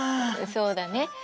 そうだね。